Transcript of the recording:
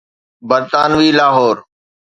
برطانوي لاهور.